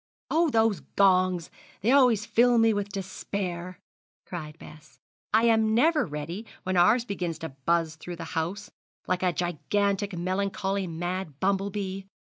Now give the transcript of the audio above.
'Oh, those gongs, they always fill me with despair!' cried Bess. 'I am never ready when ours begins to buzz through the house, like a gigantic, melancholy mad bumble bee.